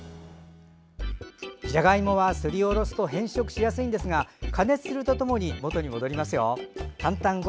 じゃがいもはすりおろすと変色しやすいですが加熱すると元に戻りますよ。